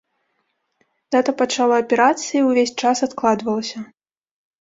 Дата пачала аперацыі ўвесь час адкладвалася.